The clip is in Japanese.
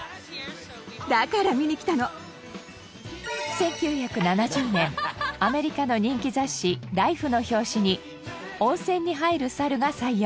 １９７０年アメリカの人気雑誌『ＬＩＦＥ』の表紙に温泉に入る猿が採用。